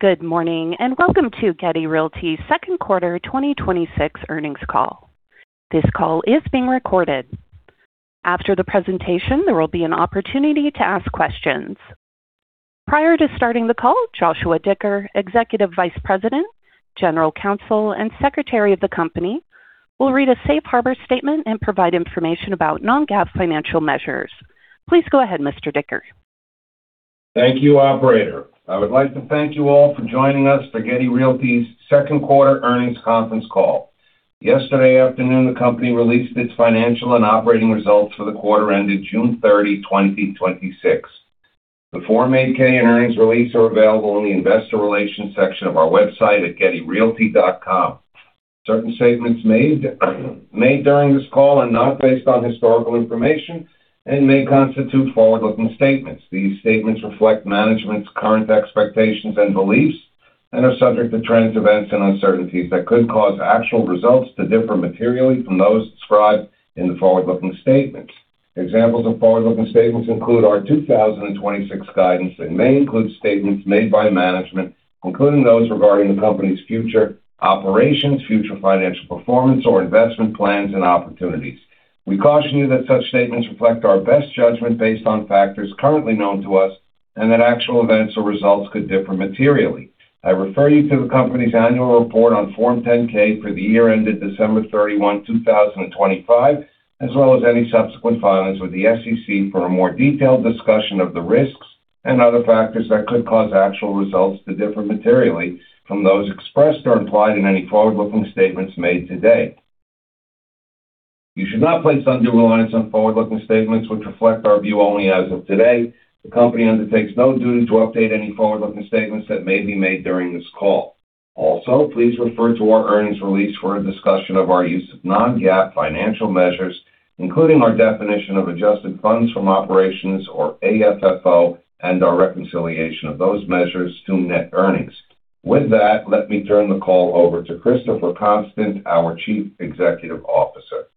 Good morning. Welcome to Getty Realty's second quarter 2026 earnings call. This call is being recorded. After the presentation, there will be an opportunity to ask questions. Prior to starting the call, Joshua Dicker, Executive Vice President, General Counsel, and Secretary of the company, will read a safe harbor statement and provide information about non-GAAP financial measures. Please go ahead, Mr. Dicker. Thank you, operator. I would like to thank you all for joining us for Getty Realty's second quarter earnings conference call. Yesterday afternoon, the company released its financial and operating results for the quarter ended June 30th, 2026. The Form 8-K and earnings release are available in the investor relations section of our website at gettyrealty.com. Certain statements made during this call are not based on historical information and may constitute forward-looking statements. These statements reflect management's current expectations and beliefs and are subject to trends, events, and uncertainties that could cause actual results to differ materially from those described in the forward-looking statements. Examples of forward-looking statements include our 2026 guidance and may include statements made by management, including those regarding the company's future operations, future financial performance, or investment plans and opportunities. We caution you that such statements reflect our best judgment based on factors currently known to us, that actual events or results could differ materially. I refer you to the company's annual report on Form 10-K for the year ended December 31st, 2025, as well as any subsequent filings with the SEC for a more detailed discussion of the risks and other factors that could cause actual results to differ materially from those expressed or implied in any forward-looking statements made today. You should not place undue reliance on forward-looking statements, which reflect our view only as of today. The company undertakes no duty to update any forward-looking statements that may be made during this call. Also, please refer to our earnings release for a discussion of our use of non-GAAP financial measures, including our definition of adjusted funds from operations, or AFFO, our reconciliation of those measures to net earnings. With that, let me turn the call over to Christopher Constant, our Chief Executive Officer.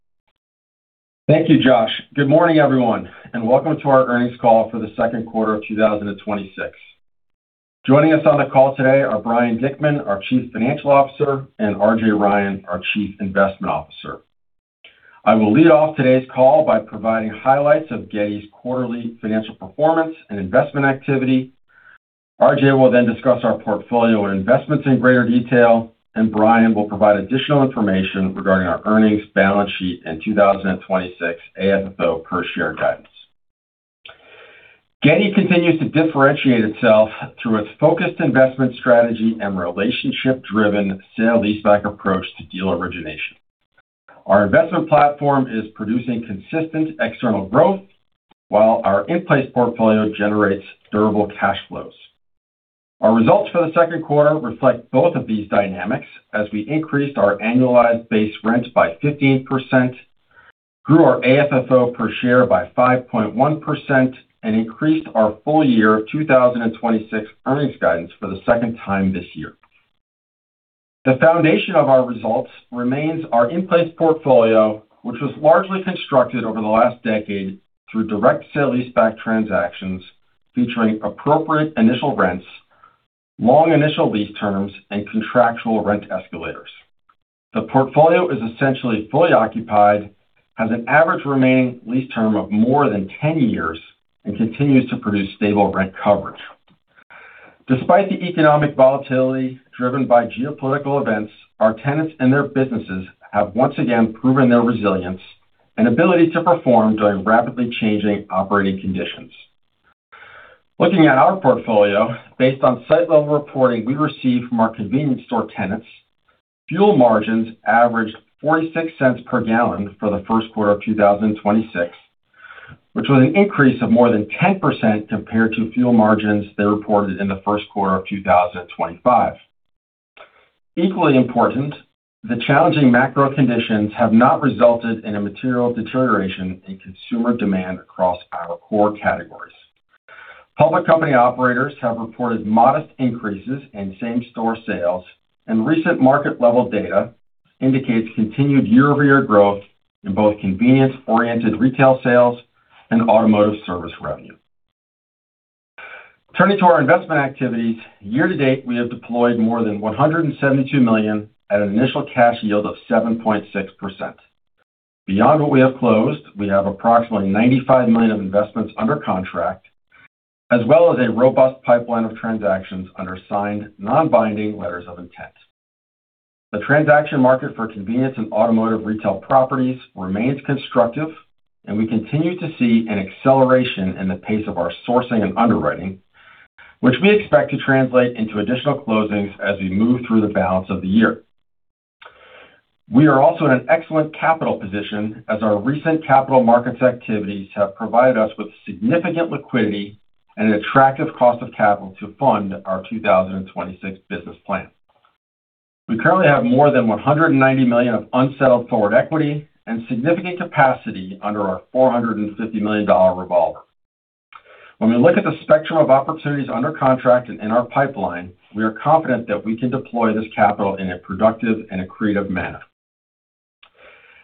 Thank you, Josh. Good morning, everyone, and welcome to our earnings call for the second quarter of 2026. Joining us on the call today are Brian Dickman, our Chief Financial Officer, and RJ Ryan, our Chief Investment Officer. I will lead off today's call by providing highlights of Getty's quarterly financial performance and investment activity. RJ will discuss our portfolio and investments in greater detail, Brian will provide additional information regarding our earnings balance sheet and 2026 AFFO per share guidance. Getty continues to differentiate itself through its focused investment strategy and relationship-driven sale-leaseback approach to deal origination. Our investment platform is producing consistent external growth, while our in-place portfolio generates durable cash flows. Our results for the second quarter reflect both of these dynamics, as we increased our annualized base rent by 15%, grew our AFFO per share by 5.1%, and increased our full year 2026 earnings guidance for the second time this year. The foundation of our results remains our in-place portfolio, which was largely constructed over the last decade through direct sale-leaseback transactions featuring appropriate initial rents, long initial lease terms, and contractual rent escalators. The portfolio is essentially fully occupied, has an average remaining lease term of more than 10 years, and continues to produce stable rent coverage. Despite the economic volatility driven by geopolitical events, our tenants and their businesses have once again proven their resilience and ability to perform during rapidly changing operating conditions. Looking at our portfolio, based on site-level reporting we receive from our convenience store tenants, fuel margins averaged $0.46 per gallon for the first quarter of 2026, which was an increase of more than 10% compared to fuel margins they reported in the first quarter of 2025. Equally important, the challenging macro conditions have not resulted in a material deterioration in consumer demand across our core categories. Public company operators have reported modest increases in same-store sales, and recent market-level data indicates continued year-over-year growth in both convenience-oriented retail sales and automotive service revenue. Turning to our investment activities, year to date, we have deployed more than $172 million at an initial cash yield of 7.6%. Beyond what we have closed, we have approximately $95 million of investments under contract, as well as a robust pipeline of transactions under signed non-binding letters of intent. The transaction market for convenience and automotive retail properties remains constructive, we continue to see an acceleration in the pace of our sourcing and underwriting, which we expect to translate into additional closings as we move through the balance of the year. We are also in an excellent capital position as our recent capital markets activities have provided us with significant liquidity and an attractive cost of capital to fund our 2026 business plan. We currently have more than $190 million of unsettled forward equity and significant capacity under our $450 million revolver. When we look at the spectrum of opportunities under contract and in our pipeline, we are confident that we can deploy this capital in a productive and accretive manner.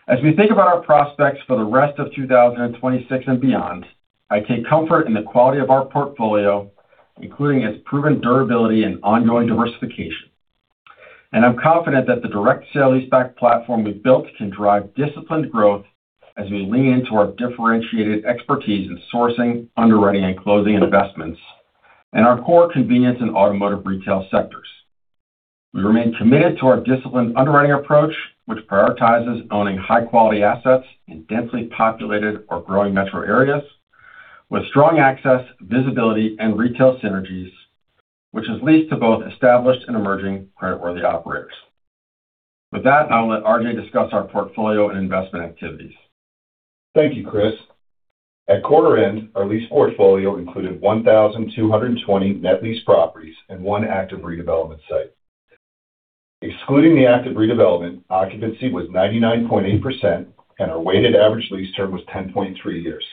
As we think about our prospects for the rest of 2026 and beyond, I take comfort in the quality of our portfolio, including its proven durability and ongoing diversification. I'm confident that the direct sale-leaseback platform we've built can drive disciplined growth as we lean into our differentiated expertise in sourcing, underwriting, and closing investments, and our core convenience in automotive retail sectors. We remain committed to our disciplined underwriting approach, which prioritizes owning high-quality assets in densely populated or growing metro areas with strong access, visibility, and retail synergies, which has leased to both established and emerging creditworthy operators. With that, I'll let RJ discuss our portfolio and investment activities. Thank you, Chris. At quarter end, our lease portfolio included 1,220 net lease properties and one active redevelopment site. Excluding the active redevelopment, occupancy was 99.8%, and our weighted average lease term was 10.3 years.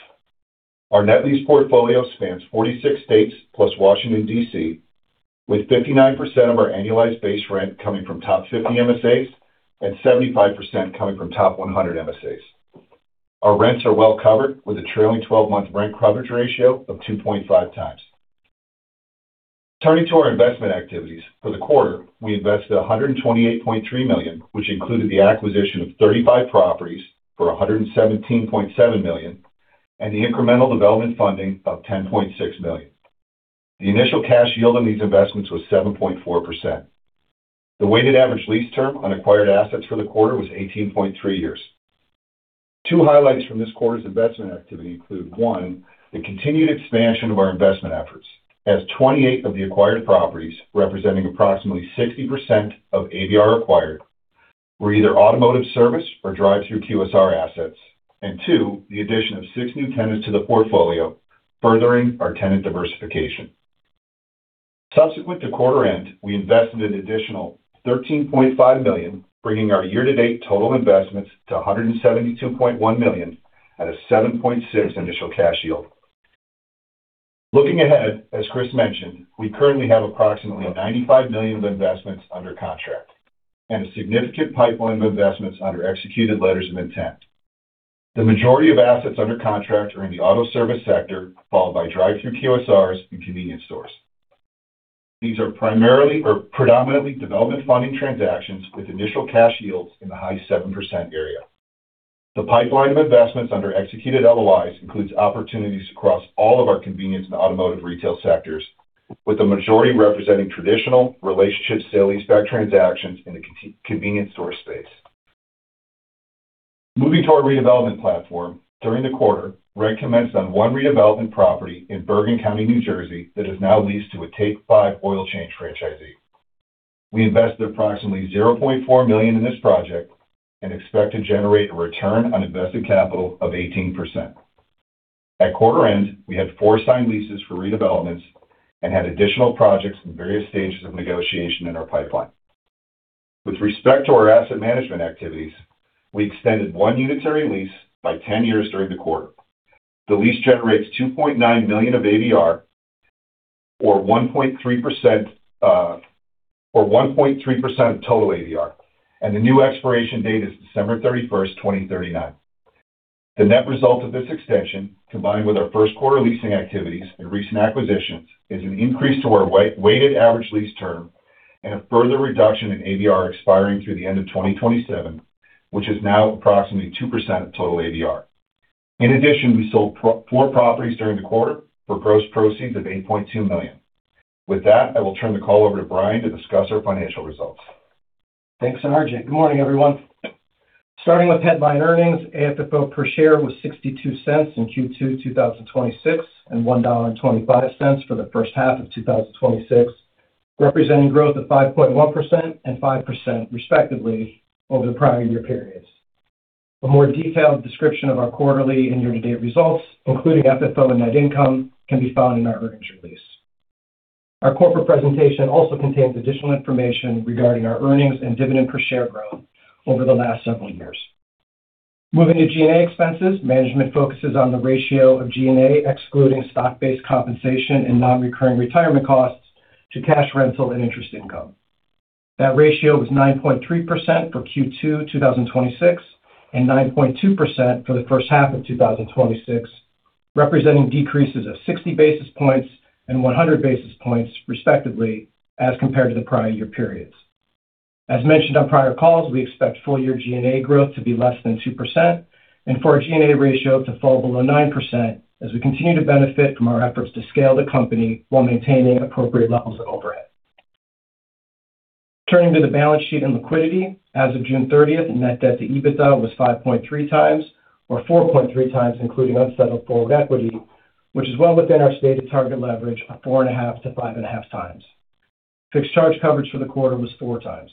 Our net lease portfolio spans 46 states plus Washington, D.C., with 59% of our annualized base rent coming from top 50 MSAs and 75% coming from top 100 MSAs. Our rents are well covered with a trailing 12-month rent coverage ratio of 2.5x. Turning to our investment activities. For the quarter, we invested $128.3 million, which included the acquisition of 35 properties for $117.7 million, and the incremental development funding of $10.6 million. The initial cash yield on these investments was 7.4%. The weighted average lease term on acquired assets for the quarter was 18.3 years. Two highlights from this quarter's investment activity include, one, the continued expansion of our investment efforts as 28 of the acquired properties representing approximately 60% of ABR acquired were either automotive service or drive-through QSR assets. Two, the addition of six new tenants to the portfolio, furthering our tenant diversification. Subsequent to quarter end, we invested an additional $13.5 million, bringing our year-to-date total investments to $172.1 million at a 7.6% initial cash yield. Looking ahead, as Chris mentioned, we currently have approximately $95 million of investments under contract and a significant pipeline of investments under executed letters of intent. The majority of assets under contract are in the auto service sector, followed by drive-through QSRs and convenience stores. These are primarily or predominantly development funding transactions with initial cash yields in the high 7% area. The pipeline of investments under executed LOIs includes opportunities across all of our convenience and automotive retail sectors, with the majority representing traditional relationship sale-leaseback transactions in the convenience store space. Moving to our redevelopment platform. During the quarter, REC commenced on one redevelopment property in Bergen County, New Jersey, that is now leased to a Take 5 Oil Change franchisee. We invested approximately $0.4 million in this project and expect to generate a return on invested capital of 18%. At quarter end, we had four signed leases for redevelopments and had additional projects in various stages of negotiation in our pipeline. With respect to our asset management activities, we extended one unitary lease by 10 years during the quarter. The lease generates $2.9 million of ABR or 1.3% of total ABR, and the new expiration date is December 31st, 2039. The net result of this extension, combined with our first quarter leasing activities and recent acquisitions, is an increase to our weighted average lease term and a further reduction in ABR expiring through the end of 2027, which is now approximately 2% of total ABR. In addition, we sold four properties during the quarter for gross proceeds of $8.2 million. With that, I will turn the call over to Brian to discuss our financial results. Thanks, RJ. Good morning, everyone. Starting with headline earnings, AFFO per share was $0.62 in Q2 2026 and $1.25 for the first half of 2026, representing growth of 5.1% and 5% respectively over the prior year periods. A more detailed description of our quarterly and year-to-date results, including AFFO and net income, can be found in our earnings release. Our corporate presentation also contains additional information regarding our earnings and dividend per share growth over the last several years. Moving to G&A expenses. Management focuses on the ratio of G&A, excluding stock-based compensation and non-recurring retirement costs to cash rental and interest income. That ratio was 9.3% for Q2 2026 and 9.2% for the first half of 2026, representing decreases of 60 basis points and 100 basis points, respectively, as compared to the prior year periods. As mentioned on prior calls, we expect full-year G&A growth to be less than 2%, and for our G&A ratio to fall below 9% as we continue to benefit from our efforts to scale the company while maintaining appropriate levels of overhead. Turning to the balance sheet and liquidity. As of June 30th, net debt to EBITDA was 5.3x, or 4.3x including unsettled forward equity, which is well within our stated target leverage of 4.5x-5.5x. Fixed charge coverage for the quarter was 4x.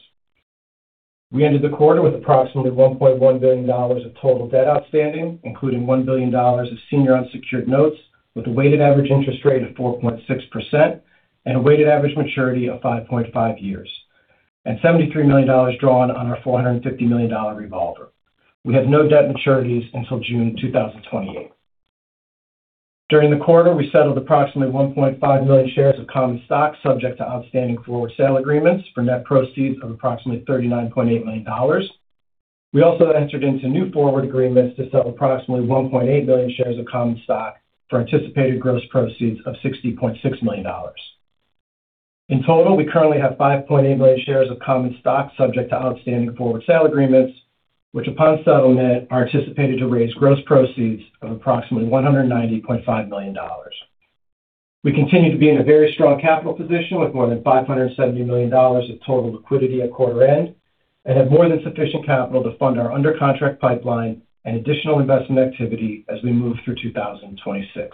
We ended the quarter with approximately $1.1 billion of total debt outstanding, including $1 billion of senior unsecured notes with a weighted average interest rate of 4.6% and a weighted average maturity of 5.5 years, and $73 million drawn on our $450 million revolver. We have no debt maturities until June 2028. During the quarter, we settled approximately 1.5 million shares of common stock subject to outstanding forward sale agreements for net proceeds of approximately $39.8 million. We also entered into new forward agreements to sell approximately 1.8 million shares of common stock for anticipated gross proceeds of $60.6 million. In total, we currently have 5.8 million shares of common stock subject to outstanding forward sale agreements, which upon settlement, are anticipated to raise gross proceeds of approximately $190.5 million. We continue to be in a very strong capital position with more than $570 million of total liquidity at quarter end and have more than sufficient capital to fund our under contract pipeline and additional investment activity as we move through 2026.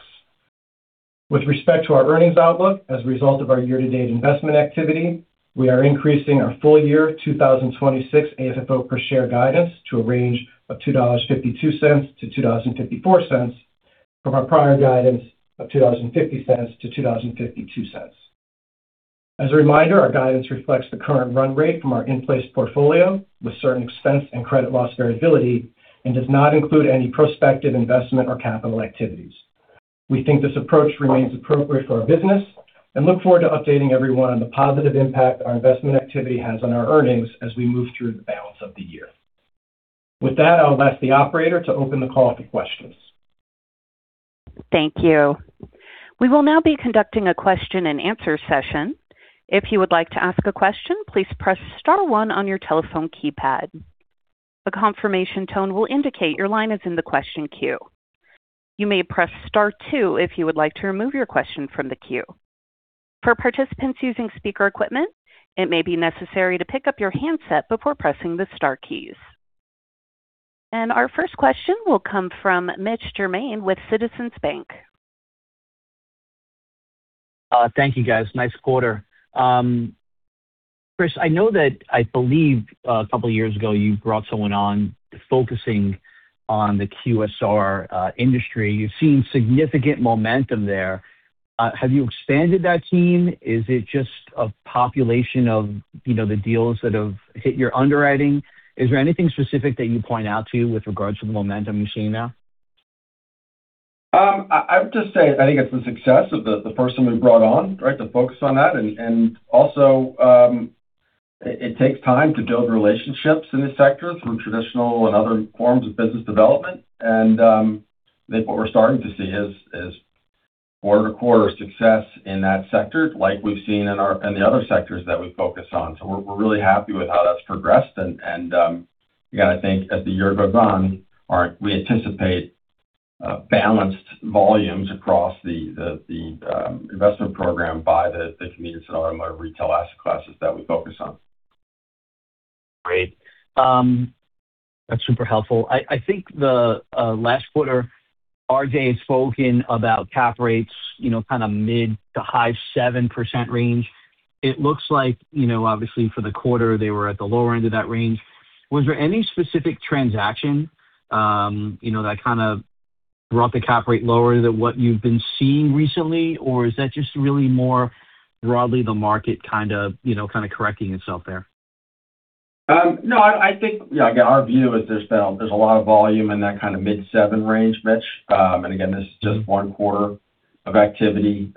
With respect to our earnings outlook as a result of our year-to-date investment activity, we are increasing our full year 2026 AFFO per share guidance to a range of $2.52-$2.54 from our prior guidance of $2.50-$2.52. As a reminder, our guidance reflects the current run rate from our in-place portfolio with certain expense and credit loss variability, and does not include any prospective investment or capital activities. We think this approach remains appropriate for our business and look forward to updating everyone on the positive impact our investment activity has on our earnings as we move through the balance of the year. With that, I'll ask the operator to open the call for questions. Thank you. We will now be conducting a question-and-answer session. If you would like to ask a question, please press star one on your telephone keypad. A confirmation tone will indicate your line is in the question queue. You may press star two if you would like to remove your question from the queue. For participants using speaker equipment, it may be necessary to pick up your handset before pressing the star keys. Our first question will come from Mitch Germain with Citizens Inc. Thank you, guys. Nice quarter. Chris, I know that I believe a couple years ago you brought someone on focusing on the QSR industry. You've seen significant momentum there. Have you expanded that team? Is it just a population of the deals that have hit your underwriting? Is there anything specific that you point out to with regards to the momentum you're seeing now? I would just say I think it's the success of the first one we brought on, right? To focus on that. Also, it takes time to build relationships in this sector through traditional and other forms of business development. I think what we're starting to see is quarter-to-quarter success in that sector like we've seen in the other sectors that we focus on. We're really happy with how that's progressed. Again, I think as the year goes on, we anticipate balanced volumes across the investment program by the convenience and automotive retail asset classes that we focus on. Great. That's super helpful. I think the last quarter, RJ had spoken about cap rates mid to high 7% range. It looks like obviously for the quarter, they were at the lower end of that range. Was there any specific transaction that kind of brought the cap rate lower than what you've been seeing recently? Or is that just really more broadly the market kind of correcting itself there? No, I think our view is there's a lot of volume in that kind of mid 7% range, Mitch. Again, this is just one quarter of activity.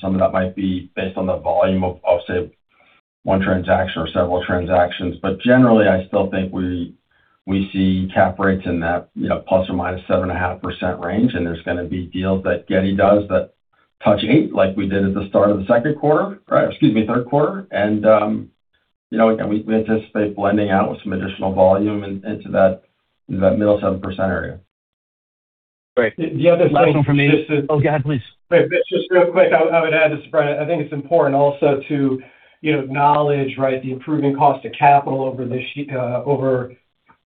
Some of that might be based on the volume of say one transaction or several transactions. Generally, I still think we see cap rates in that ±7.5% range, and there's going to be deals that Getty does that touch 8% like we did at the start of the second quarter. Excuse me, third quarter. Again, we anticipate blending out with some additional volume into that middle 7% area. Great. Last one from me. The other thing this is. Oh, go ahead, please. Mitch, just real quick, I would add to spread, I think it's important also to acknowledge the improving cost of capital over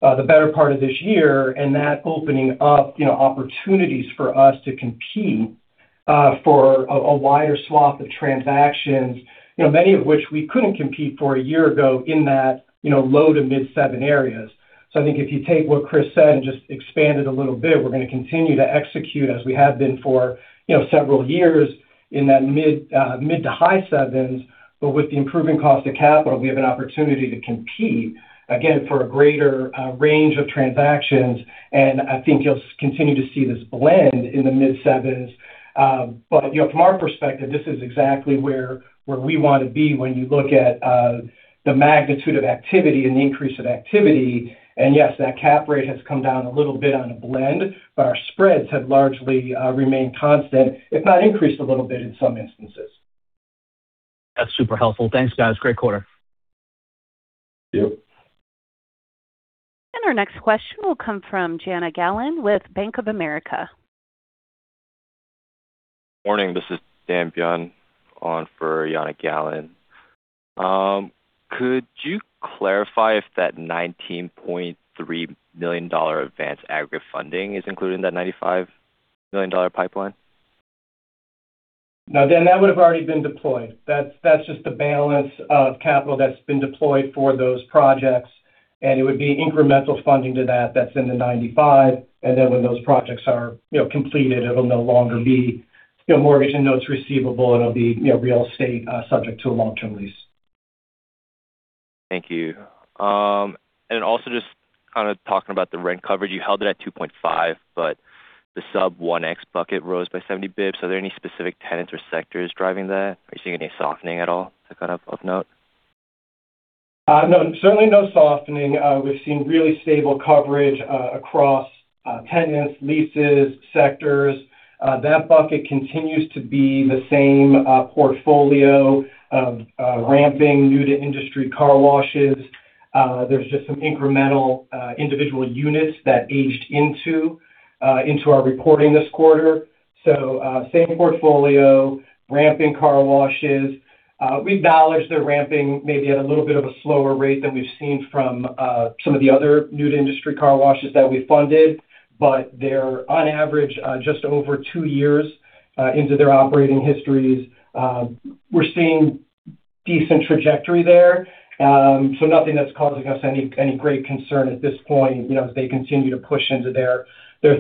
the better part of this year and that opening up opportunities for us to compete for a wider swath of transactions, many of which we couldn't compete for a year ago in that low to mid seven areas. I think if you take what Chris said and just expand it a little bit, we're going to continue to execute as we have been for several years in that mid to high sevens. With the improving cost of capital, we have an opportunity to compete again for a greater range of transactions. I think you'll continue to see this blend in the mid sevens. From our perspective, this is exactly where we want to be when you look at the magnitude of activity and the increase of activity. Yes, that cap rate has come down a little bit on a blend, but our spreads have largely remained constant, if not increased a little bit in some instances. That's super helpful. Thanks, guys. Great quarter. Thank you. Our next question will come from Yana Gallen with Bank of America. Morning, this is Dan Byun on for Yana Gallen. Could you clarify if that $19.3 million advance aggregate funding is included in that $95 million pipeline? No, Dan, that would have already been deployed. That's just the balance of capital that's been deployed for those projects, and it would be incremental funding to that that's in the $95 million. Then when those projects are completed, it'll no longer be mortgage and notes receivable. It'll be real estate subject to a long-term lease. Thank you. Also just talking about the rent coverage, you held it at 2.5, but the sub 1x bucket rose by 70 basis points. Are there any specific tenants or sectors driving that? Are you seeing any softening at all of note? No. Certainly no softening. We've seen really stable coverage across tenants, leases, sectors. That bucket continues to be the same portfolio of ramping new-to-industry car washes. There's just some incremental individual units that aged into our reporting this quarter. Same portfolio, ramping car washes. We acknowledge they're ramping maybe at a little bit of a slower rate than we've seen from some of the other new-to-industry car washes that we funded, but they're on average, just over two years into their operating histories. We're seeing decent trajectory there. Nothing that's causing us any great concern at this point, as they continue to push into their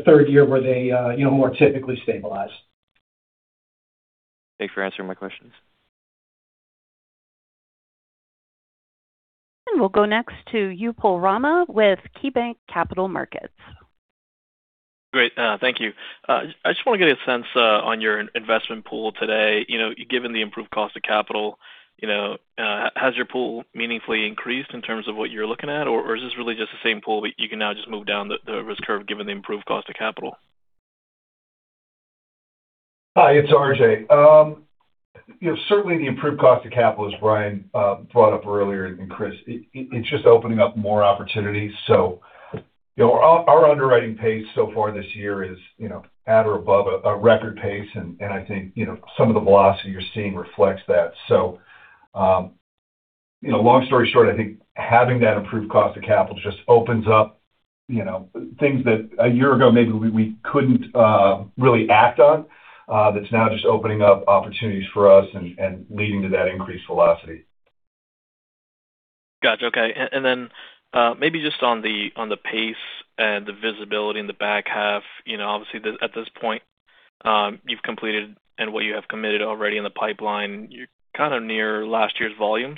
third year where they more typically stabilize. Thanks for answering my questions. We'll go next to Upal Rana with KeyBanc Capital Markets. Great. Thank you. I just want to get a sense on your investment pool today. Given the improved cost of capital, has your pool meaningfully increased in terms of what you're looking at? Or is this really just the same pool, but you can now just move down the risk curve given the improved cost of capital? Hi, it's RJ. Certainly the improved cost of capital, as Brian brought up earlier, and Chris, it's just opening up more opportunities. Our underwriting pace so far this year is at or above a record pace, and I think some of the velocity you're seeing reflects that. Long story short, I think having that improved cost of capital just opens up things that a year ago, maybe we couldn't really act on. That's now just opening up opportunities for us and leading to that increased velocity. Got you. Okay. Maybe just on the pace and the visibility in the back half, obviously at this point, you've completed and what you have committed already in the pipeline, you're near last year's volume.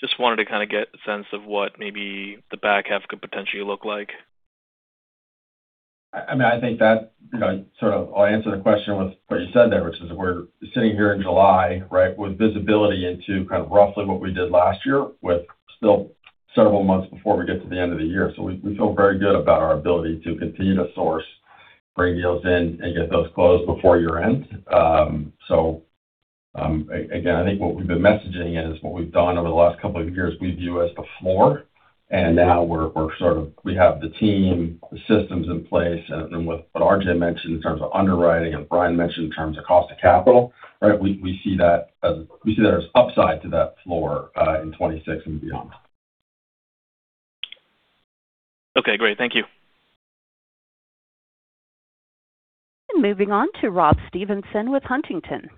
Just wanted to get a sense of what maybe the back half could potentially look like. I think that I'll answer the question with what you said there, which is we're sitting here in July, right? With visibility into kind of roughly what we did last year, with still several months before we get to the end of the year. We feel very good about our ability to continue to source, bring deals in and get those closed before year-end. Again, I think what we've been messaging is what we've done over the last couple of years, we view as a floor, and now we have the team, the systems in place, and with what RJ mentioned in terms of underwriting and Brian mentioned in terms of cost of capital, right? We see that as upside to that floor, in 2026 and beyond. Okay, great. Thank you. Moving on to Rob Stevenson with Huntington.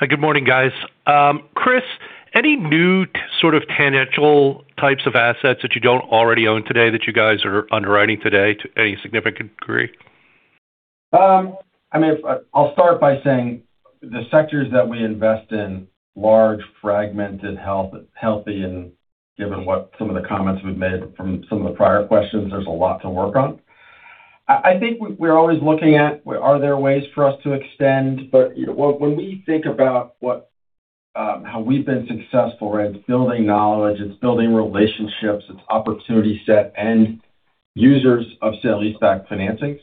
Good morning, guys. Chris, any new sort of tangential types of assets that you don't already own today that you guys are underwriting today to any significant degree? I'll start by saying the sectors that we invest in, large, fragmented, healthy, and given what some of the comments we've made from some of the prior questions, there's a lot to work on. I think we're always looking at are there ways for us to extend? When we think about how we've been successful, it's building knowledge, it's building relationships, it's opportunity set and users of sale-leaseback financing.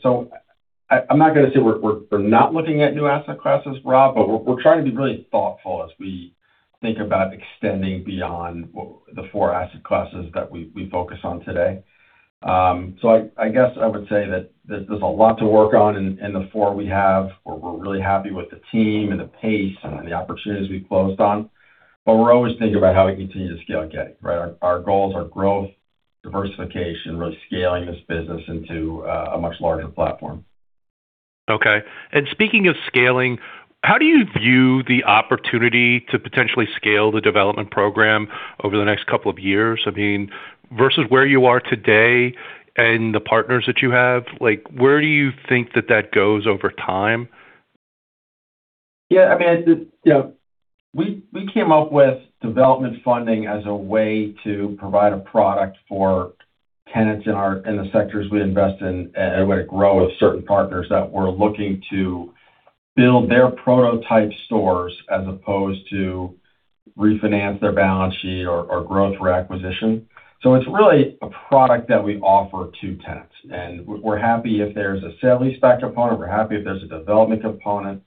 I'm not going to say we're not looking at new asset classes, Rob, but we're trying to be really thoughtful as we think about extending beyond the four asset classes that we focus on today. I guess I would say that there's a lot to work on in the four we have, where we're really happy with the team and the pace and the opportunities we've closed on. We're always thinking about how we continue to scale Getty, right? Our goals are growth, diversification, really scaling this business into a much larger platform. Okay. Speaking of scaling, how do you view the opportunity to potentially scale the development program over the next couple of years? I mean, versus where you are today and the partners that you have, where do you think that that goes over time? Yeah. We came up with development funding as a way to provide a product for tenants in the sectors we invest in, a way to grow with certain partners that we're looking to build their prototype stores as opposed to refinance their balance sheet or growth for acquisition. It's really a product that we offer to tenants, and we're happy if there's a sale-leaseback component. We're happy if there's a development component.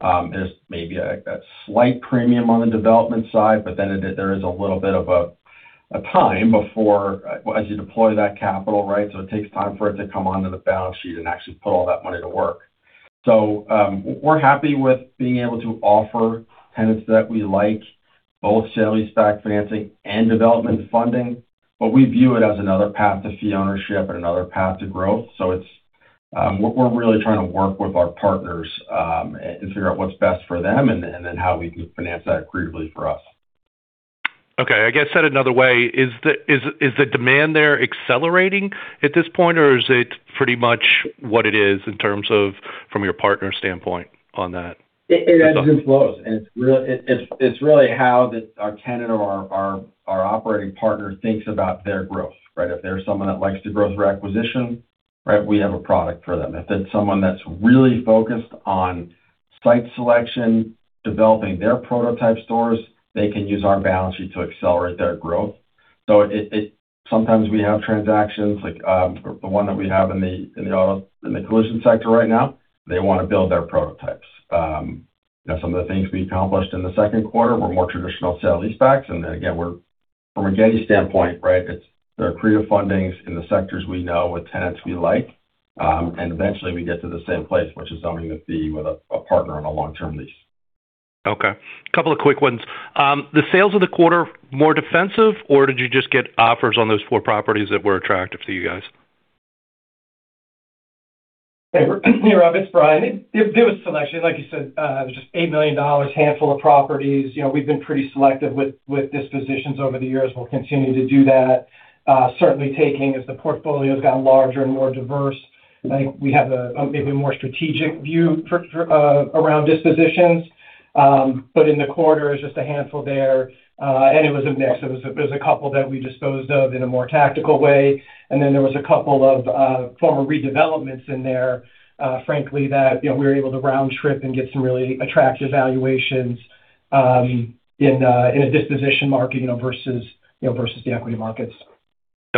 There's maybe a slight premium on the development side, there is a little bit of a time as you deploy that capital, right? It takes time for it to come onto the balance sheet and actually put all that money to work. We're happy with being able to offer tenants that we like, both sale-leaseback financing and development funding, we view it as another path to fee ownership and another path to growth. We're really trying to work with our partners, and figure out what's best for them and how we can finance that creatively for us. Okay. I guess said another way, is the demand there accelerating at this point, or is it pretty much what it is in terms of from your partner standpoint on that? It ebbs and flows, and it's really how our tenant or our operating partner thinks about their growth. If they're someone that likes to gross requisition, right, we have a product for them. If it's someone that's really focused on site selection, developing their prototype stores, they can use our balance sheet to accelerate their growth. Sometimes we have transactions like the one that we have in the collision sector right now. They want to build their prototypes. Some of the things we accomplished in the second quarter were more traditional sale-leasebacks. Again, from a Getty standpoint, right, it's the accretive fundings in the sectors we know with tenants we like. Eventually we get to the same place, which is owning the fee with a partner on a long-term lease. Okay. Couple of quick ones. The sales of the quarter, more defensive, or did you just get offers on those four properties that were attractive to you guys? Hey, Rob, it's Brian. It was selection. Like you said, it was just $8 million, handful of properties. We've been pretty selective with dispositions over the years. We'll continue to do that. Certainly taking as the portfolio's gotten larger and more diverse, I think we have maybe a more strategic view around dispositions. In the quarter it's just a handful there. It was a mix. There's a couple that we disposed of in a more tactical way, and then there was a couple of former redevelopments in there, frankly, that we were able to round trip and get some really attractive valuations in a disposition market versus the equity markets. Okay.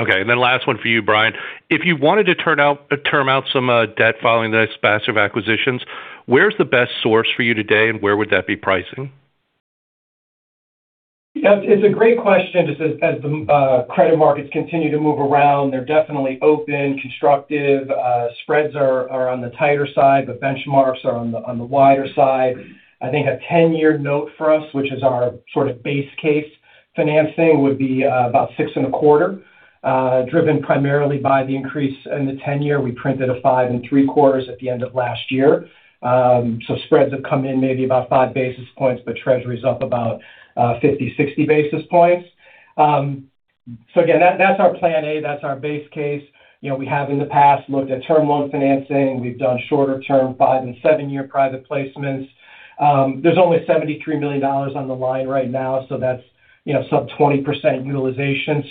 Last one for you, Brian. If you wanted to term out some debt following the expansive acquisitions, where's the best source for you today, and where would that be pricing? It's a great question. Just as the credit markets continue to move around, they're definitely open, constructive. Spreads are on the tighter side. The benchmarks are on the wider side. I think a 10-year note for us, which is our sort of base case financing, would be about six and a quarter, driven primarily by the increase in the 10-year. We printed a five and three quarters at the end of last year. Spreads have come in maybe about 5 basis points, but Treasury's up about 50, 60 basis points. Again, that's our plan A. That's our base case. We have in the past looked at term loan financing. We've done shorter term five and seven-year private placements. There's only $73 million on the line right now, so that's sub 20% utilization.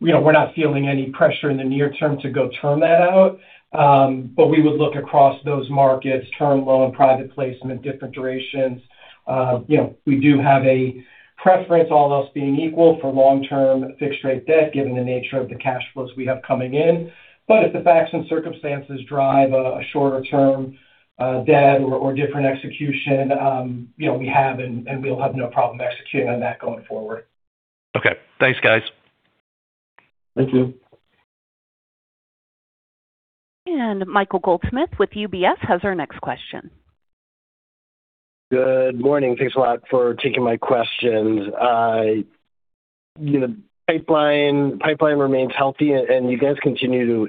We're not feeling any pressure in the near term to go term that out. We would look across those markets, term loan, private placement, different durations. We do have a preference, all else being equal, for long-term fixed rate debt, given the nature of the cash flows we have coming in. If the facts and circumstances drive a shorter term debt or different execution, we have and we'll have no problem executing on that going forward. Okay. Thanks, guys. Thank you. Michael Goldsmith with UBS has our next question. Good morning. Thanks a lot for taking my questions. Pipeline remains healthy, and you guys continue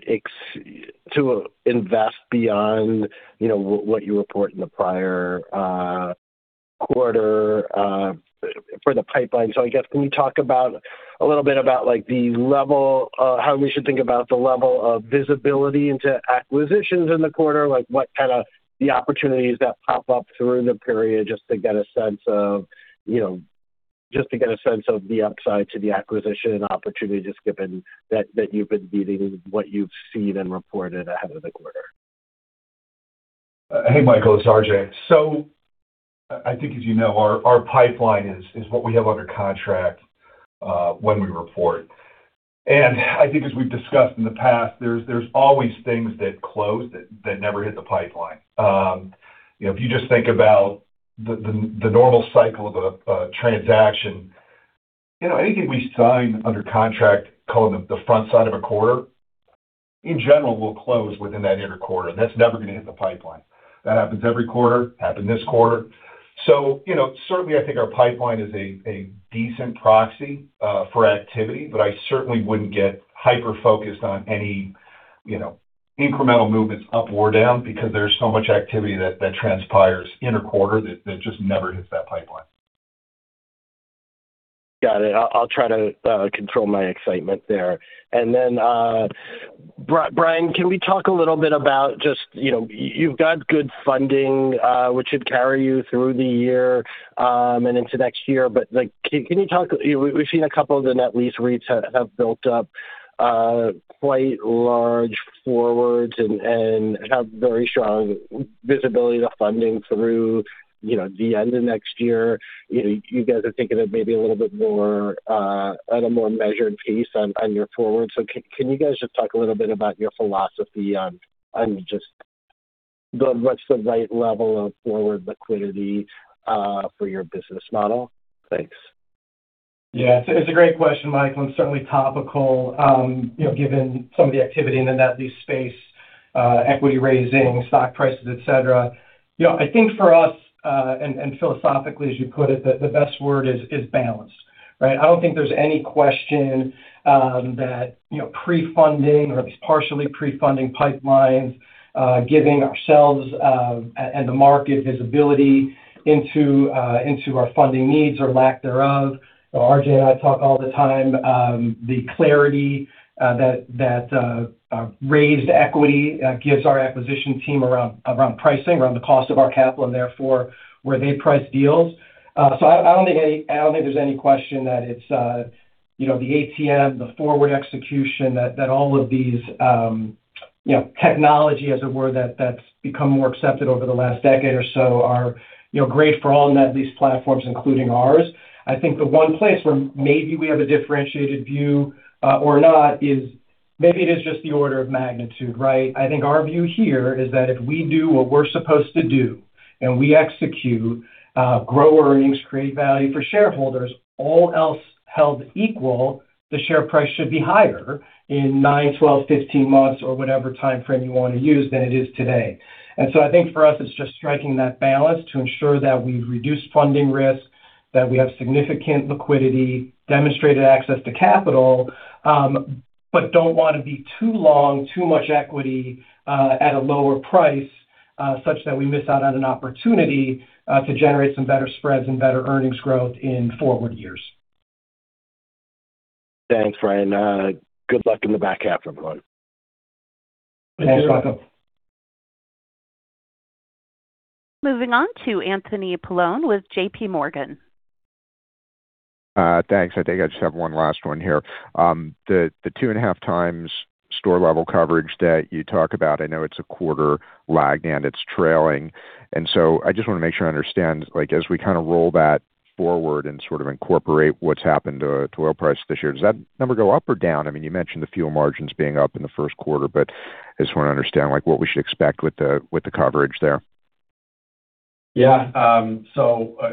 to invest beyond what you report in the prior quarter for the pipeline. I guess, can we talk a little bit about how we should think about the level of visibility into acquisitions in the quarter? What kind of the opportunities that pop up through the period, just to get a sense of the upside to the acquisition opportunity, just given that you've been beating what you've seen and reported ahead of the quarter. Hey, Michael, it's RJ. I think as you know, our pipeline is what we have under contract when we report. I think as we've discussed in the past, there's always things that close that never hit the pipeline. If you just think about the normal cycle of a transaction, anything we sign under contract, call it the front side of a quarter, in general, will close within that inner quarter. That's never going to hit the pipeline. That happens every quarter, happened this quarter. Certainly I think our pipeline is a decent proxy for activity. I certainly wouldn't get hyper-focused on any incremental movements up or down because there's so much activity that transpires inner quarter that just never hits that pipeline. Got it. I'll try to control my excitement there. Brian, can we talk a little bit about just you've got good funding, which should carry you through the year, and into next year. We've seen a couple of the net lease REITs have built up quite large forwards and have very strong visibility to funding through the end of next year. You guys are thinking of maybe at a more measured pace on your forward. Can you guys just talk a little bit about your philosophy on just what's the right level of forward liquidity for your business model? Thanks. Yeah. It's a great question, Michael, and certainly topical given some of the activity in the net lease space, equity raising stock prices, etc. I think for us, and philosophically as you put it, the best word is balance. Right. I don't think there's any question that pre-funding or at least partially pre-funding pipelines, giving ourselves, and the market visibility into our funding needs or lack thereof. RJ and I talk all the time, the clarity that raised equity gives our acquisition team around pricing, around the cost of our capital, and therefore where they price deals. I don't think there's any question that it's the ATM, the forward execution, that all of these technology, as it were, that's become more accepted over the last decade or so are great for all net lease platforms, including ours. I think the one place where maybe we have a differentiated view or not is maybe it is just the order of magnitude, right. I think our view here is that if we do what we're supposed to do, and we execute, grow earnings, create value for shareholders, all else held equal, the share price should be higher in nine, 12, 15 months or whatever timeframe you want to use than it is today. I think for us, it's just striking that balance to ensure that we reduce funding risk, that we have significant liquidity, demonstrated access to capital, but don't want to be too long, too much equity at a lower price, such that we miss out on an opportunity to generate some better spreads and better earnings growth in forward years. Thanks, Brian. Good luck in the back half, everyone. Thank you. You're welcome. Moving on to Anthony Paolone with JPMorgan. Thanks. I think I just have one last one here. The 2.5x store level coverage that you talk about, I know it's a quarter lag and it's trailing, and so I just want to make sure I understand, as we kind of roll that forward and sort of incorporate what's happened to oil price this year, does that number go up or down? You mentioned the fuel margins being up in the first quarter, but I just want to understand what we should expect with the coverage there. Yeah.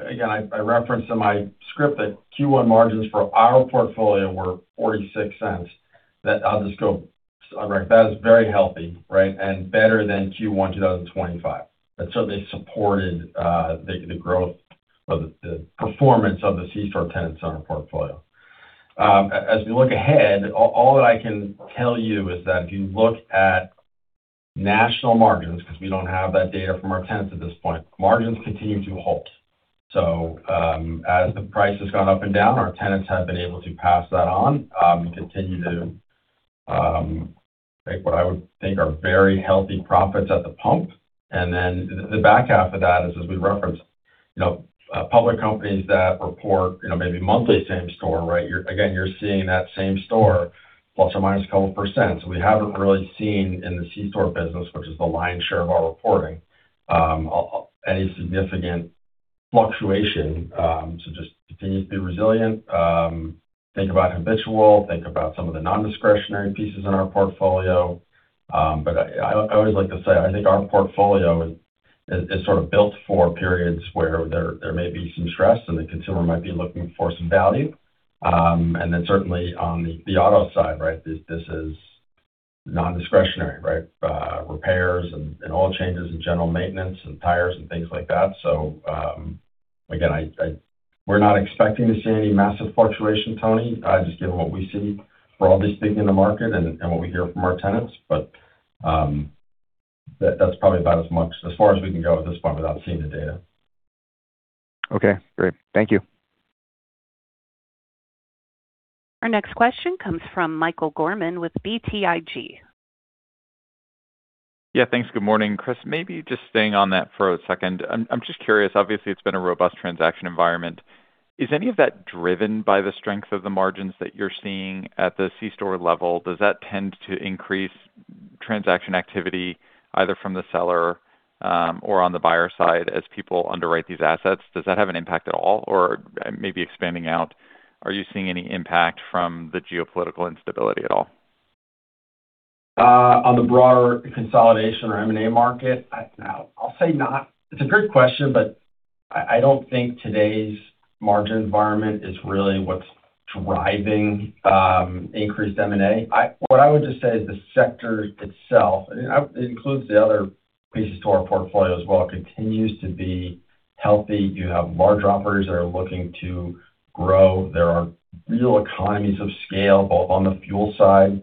Again, I referenced in my script that Q1 margins for our portfolio were $0.46. That's very healthy, right? Better than Q1 2025. That certainly supported the growth or the performance of the C-store tenants on our portfolio. As we look ahead, all that I can tell you is that if you look at national margins, because we don't have that data from our tenants at this point, margins continue to hold. As the price has gone up and down, our tenants have been able to pass that on, continue to make what I would think are very healthy profits at the pump. The back half of that is, as we referenced, public companies that report maybe monthly same store, right? You're seeing that same store plus or minus a couple of percent. We haven't really seen in the C-store business, which is the lion's share of our reporting, any significant fluctuation to just continue to be resilient. Think about habitual, think about some of the non-discretionary pieces in our portfolio. I always like to say, I think our portfolio is sort of built for periods where there may be some stress, and the consumer might be looking for some value. Certainly on the auto side, right? This is non-discretionary, right? Repairs and oil changes and general maintenance and tires and things like that. Again, we're not expecting to see any massive fluctuation, Tony, just given what we see broadly speaking in the market and what we hear from our tenants. That's probably about as much as far as we can go at this point without seeing the data. Okay, great. Thank you. Our next question comes from Michael Gorman with BTIG. Yeah. Thanks. Good morning. Chris, maybe just staying on that for a second. I'm just curious, obviously, it's been a robust transaction environment. Is any of that driven by the strength of the margins that you're seeing at the C-store level? Does that tend to increase transaction activity either from the seller or on the buyer side as people underwrite these assets? Does that have an impact at all? Or maybe expanding out, are you seeing any impact from the geopolitical instability at all? On the broader consolidation or M&A market? No. I'll say not. It's a great question, but I don't think today's margin environment is really what's driving increased M&A. What I would just say is the sector itself, and it includes the other pieces to our portfolio as well, continues to be healthy. You have large operators that are looking to grow. There are real economies of scale, both on the fuel side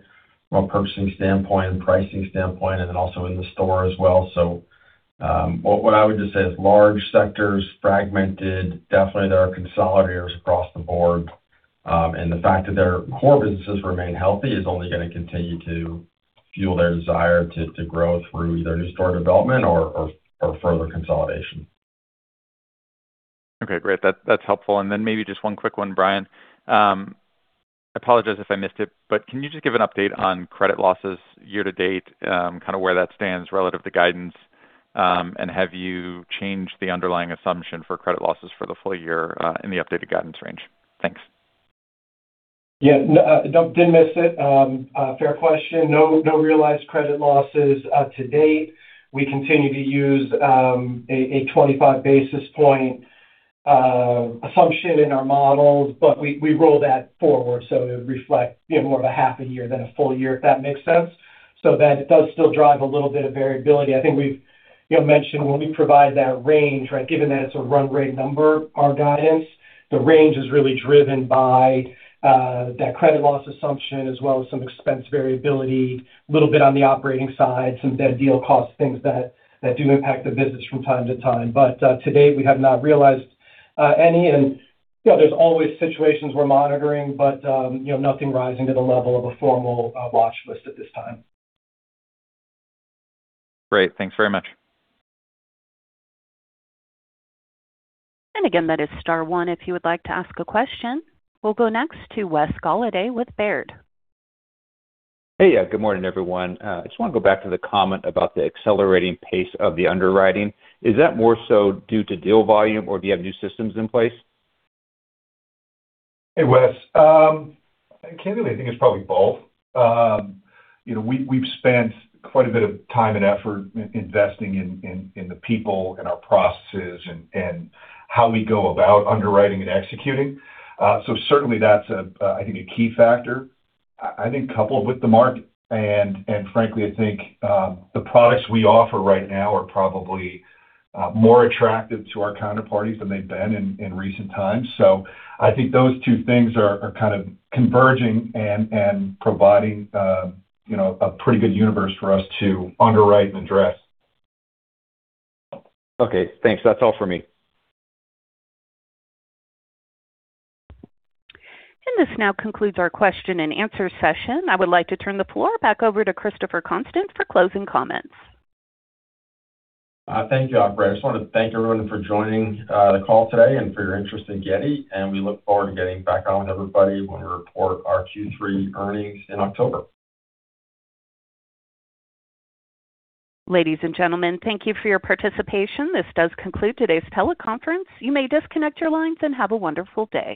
from a purchasing standpoint and pricing standpoint, and then also in the store as well. What I would just say is large sectors fragmented. Definitely, there are consolidators across the board. The fact that their core businesses remain healthy is only going to continue to fuel their desire to grow through either new store development or further consolidation. Okay, great. That's helpful. Then maybe just one quick one, Brian. I apologize if I missed it, but can you just give an update on credit losses year-to-date, kind of where that stands relative to guidance? Have you changed the underlying assumption for credit losses for the full year in the updated guidance range? Thanks. Yeah. No, didn't miss it. Fair question. No realized credit losses to date. We continue to use a 25 basis point assumption in our models, but we roll that forward so it would reflect more of a half a year than a full year, if that makes sense. That it does still drive a little bit of variability. I think we've mentioned when we provide that range, given that it's a run rate number, our guidance, the range is really driven by that credit loss assumption as well as some expense variability, little bit on the operating side, some deal costs, things that do impact the business from time to time. To date, we have not realized any, and there's always situations we're monitoring, but nothing rising to the level of a formal watch list at this time. Great. Thanks very much. Again, that is star one if you would like to ask a question. We'll go next to Wes Golladay with Baird. Hey. Good morning, everyone. I just want to go back to the comment about the accelerating pace of the underwriting. Is that more so due to deal volume, or do you have new systems in place? Hey, Wes. Candidly, I think it's probably both. We've spent quite a bit of time and effort investing in the people, in our processes, and how we go about underwriting and executing. Certainly that's, I think, a key factor. I think coupled with the market, and frankly, I think the products we offer right now are probably more attractive to our counterparties than they've been in recent times. I think those two things are kind of converging and providing a pretty good universe for us to underwrite and address. Okay, thanks. That's all for me. This now concludes our question-and-answer session. I would like to turn the floor back over to Christopher Constant for closing comments. Thank you, operator. I just wanted to thank everyone for joining the call today and for your interest in Getty, and we look forward to getting back on with everybody when we report our Q3 earnings in October. Ladies and gentlemen, thank you for your participation. This does conclude today's teleconference. You may disconnect your lines, and have a wonderful day.